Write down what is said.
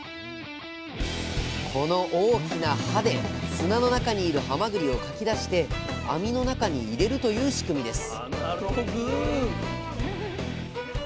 この大きな刃で砂の中にいるはまぐりをかき出して網の中に入れるという仕組みです